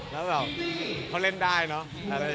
แล้วแบบเขาเล่นได้เนอะอะไรอย่างนี้